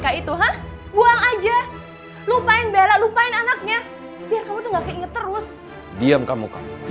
kamu gak berhak ngomong seperti itu